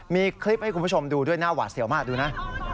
มีคลิปให้คุณผู้ชมดูด้วยหน้าหวาดเสียวมากดูนะ